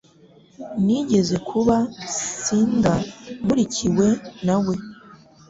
Nigeze kuba cinder nkurikiwe nawe